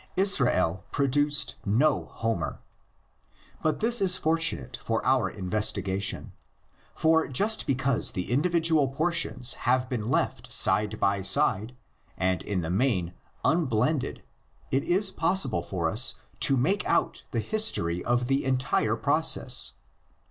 Israel produced no Homer. But this is fortunate for our investigation; for just because the individual por tions have been left side by side and in the main unblended it is possible for us to make out the his tory of the entire process.